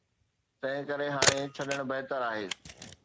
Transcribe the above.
تنهن ڪري هاڻي ڇڏڻ بهتر آهي.